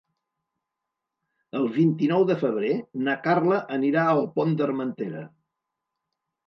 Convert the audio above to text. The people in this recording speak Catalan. El vint-i-nou de febrer na Carla anirà al Pont d'Armentera.